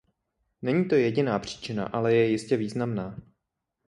Není to jediná příčina, ale je jistě významná.